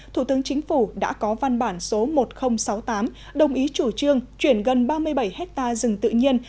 thủ tướng chính phủ đã có văn bản số một nghìn sáu mươi tám đồng ý chủ trương chuyển gần ba mươi bảy hectare rừng tự nhiên